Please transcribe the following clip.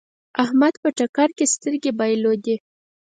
احمد په ټکر کې سترګې بايلودې.